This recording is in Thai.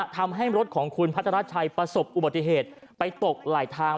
ทำให้รถของคุณพัทรชัยประสบอุบัติเหตุไปตกหลายทาง